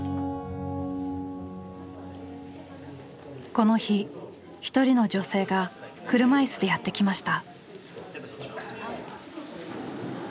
この日一人の女性が車椅子でやって来ました。